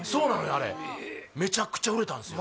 あれめちゃくちゃ売れたんですよ